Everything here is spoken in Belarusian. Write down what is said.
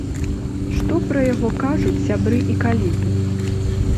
Што пра яго кажуць сябры і калегі?